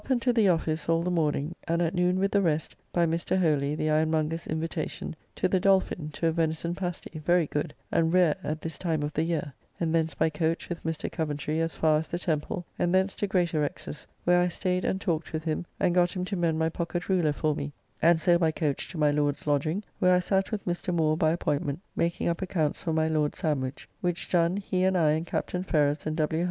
Up and to the office all the morning, and at noon with the rest, by Mr. Holy, the ironmonger's invitation, to the Dolphin, to a venison pasty, very good, and rare at this time of the year, and thence by coach with Mr. Coventry as far as the Temple, and thence to Greatorex's, where I staid and talked with him, and got him to mend my pocket ruler for me, and so by coach to my Lord's lodging, where I sat with Mr. Moore by appointment, making up accounts for my Lord Sandwich, which done he and I and Capt. Ferrers and W.